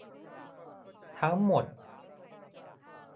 ทั้งหมด